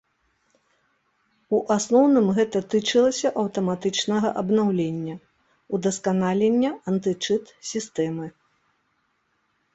У асноўным гэта тычылася аўтаматычнага абнаўлення, удасканалення антычыт-сістэмы.